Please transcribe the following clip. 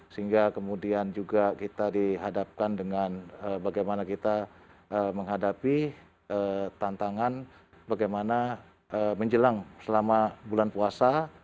sehingga kemudian juga kita dihadapkan dengan bagaimana kita menghadapi tantangan bagaimana menjelang selama bulan puasa